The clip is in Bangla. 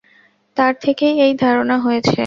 তার থেকেই এই ধারণা হয়েছে।